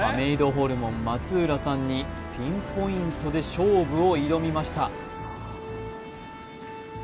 ホルモン松浦さんにピンポイントで勝負を挑みました